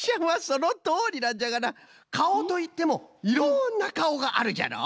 そのとおりなんじゃがなかおといってもいろんなかおがあるじゃろ。